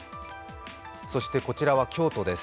そしてこちらは京都です。